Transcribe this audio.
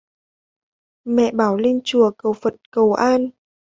mẹ bảo lên chùa cầu phật cầu an